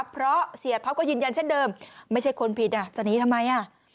เพราะเสียท็อปก็ยืนยันเช่นเดิมไม่ใช่คนผิดจะหนีทำไมอ่ะ